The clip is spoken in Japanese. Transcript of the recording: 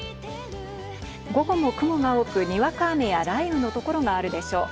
午後も雲が多く、にわか雨や雷雨の所があるでしょう。